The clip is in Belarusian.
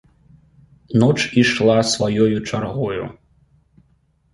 Ноч ішла сваёю чаргою.